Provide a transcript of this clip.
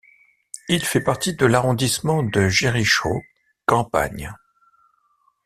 Il fait partie de l'arrondissement de Jerichow-Campagne.